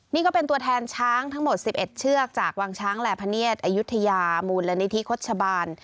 นี่ก็เป็นตัวแทนช้างทั้งหมด๑๑เชือกจากวังช้างแหล่พเนียดอายุทยามูลนิธิโฆษบาล